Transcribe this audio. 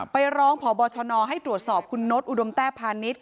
ไปร้องพบชนให้ตรวจสอบคุณโน๊ตอุดมแต้พาณิชย์